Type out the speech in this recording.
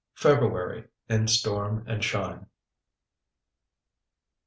FEBRUARY IN STORM AND SHINE.